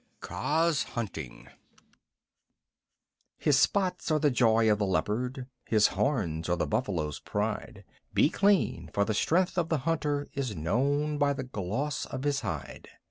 Kaa's Hunting His spots are the joy of the Leopard: his horns are the Buffalo's pride. Be clean, for the strength of the hunter is known by the gloss of his hide.